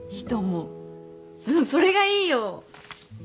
それがいいよ！